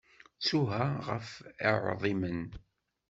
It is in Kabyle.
Ttuha ɣef i uɛḍimen.